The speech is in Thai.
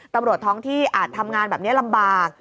ตำรวจท้องที่อาจทำงานแบบนี้ลำบาก